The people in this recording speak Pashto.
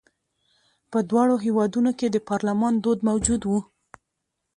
په دواړو هېوادونو کې د پارلمان دود موجود و.